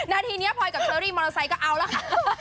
นาทีนี้พลอยกับเชอรี่มอเตอร์ไซค์ก็เอาแล้วค่ะ